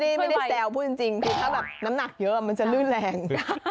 นี่ไม่ได้แซวพูดจริงคือถ้าแบบน้ำหนักเยอะมันจะลื่นแรง